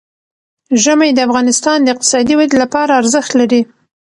ژمی د افغانستان د اقتصادي ودې لپاره ارزښت لري.